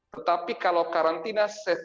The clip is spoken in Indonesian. tetapi kalau karantina setelah itu